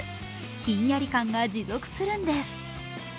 ひんやり感が持続するんです。